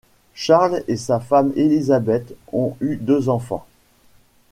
Charles et sa femme Elisabeth ont eu deux enfants.